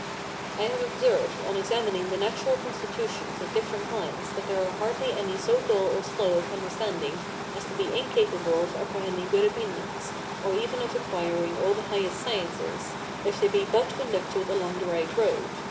I have observed, on examining the natural constitutions of different minds, that there are hardly any so dull or slow of understanding as to be incapable of apprehending good opinions, or even of acquiring all the highest sciences, if they be but conducted along the right road.